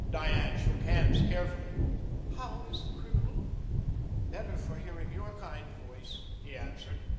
Diane shook hands cheerfully. "How is the criminal?" "Better for hearing your kind voice," he answered.